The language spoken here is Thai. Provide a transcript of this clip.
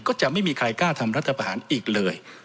ก็จะไม่มีใครกล้าทำรัฐประหารอีกเลย